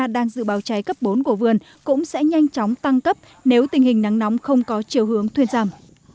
đang dự báo cháy cấp bốn của vườn cũng sẽ nhanh chóng tăng cấp nếu tình hình nắng nóng không có chiều hướng thuyên giảm